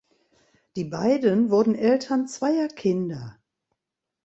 Die beiden wurden Eltern zweier Kinder.